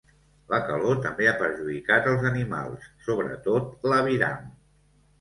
La calor també ha perjudicat els animals, sobretot l’aviram.